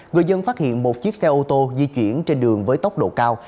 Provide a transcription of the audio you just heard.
người dân phát hiện một chiếc xe ô tô di chuyển trên đường với tốc độ cao